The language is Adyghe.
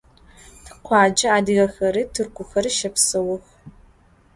Tikhuace adıgexeri, tırkuxeri şepseux.